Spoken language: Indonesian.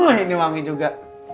udah ini mami juga